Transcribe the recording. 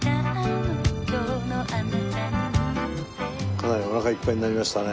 かなりおなかいっぱいになりましたね。